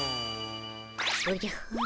おじゃふ。